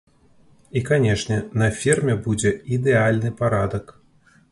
І канечне, на ферме будзе ідэальны парадак.